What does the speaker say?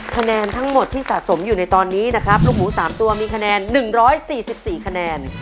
คะแนนทั้งหมดที่สะสมอยู่ในตอนนี้นะครับลูกหมู๓ตัวมีคะแนน๑๔๔คะแนน